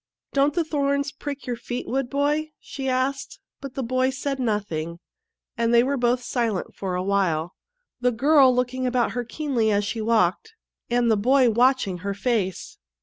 " Don't the thorns prick your feet, wood boy ?" she asked ; but the boy said nothing, and they were both silent for a while, the girl looking about her keenly as she walked, and the boy watching her face.